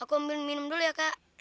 aku minum dulu ya kak